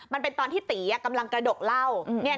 มันเป็นตอนที่ตีกำลังกระดกเหล้า